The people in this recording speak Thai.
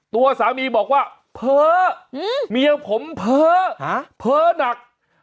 ตัวสามีบอกว่าเพ้อเมียผมเพ้อเพ้อหนัก